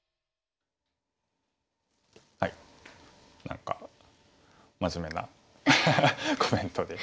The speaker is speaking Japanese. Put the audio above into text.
何か真面目なコメントで。